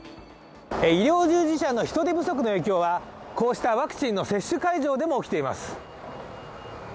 医療従事者の人手不足の影響はこうしたワクチンの接種会場でも起きています。